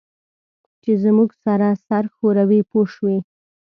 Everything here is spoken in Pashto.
چې زموږ سره سر ښوروي پوه شوې!.